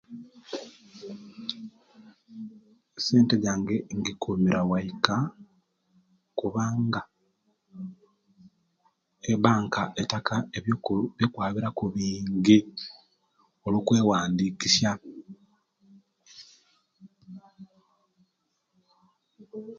Esente jange njikumira waika kubanga ebanka etaka ebikulu bingi byokwabiraku ebyokwewandikisa